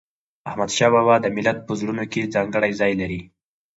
احمدشاه بابا د ملت په زړونو کې ځانګړی ځای لري.